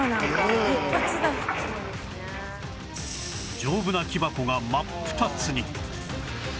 丈夫な木箱が真っ二つに